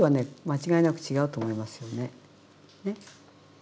間違いなく違うと思いますよね。